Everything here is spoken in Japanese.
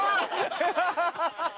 アハハハ！